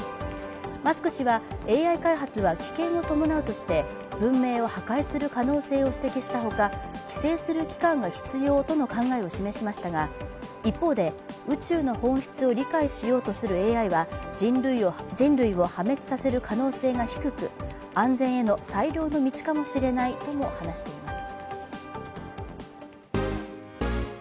マスク氏はＡＩ開発は危険を伴うとして文明を破壊する可能性を指摘したほか規制する機関が必要との考えを示しましたが一方で宇宙の本質を理解しようとするＡＩは人類を破滅させる可能性が低く安全への最良の道かもしれないとも話しています。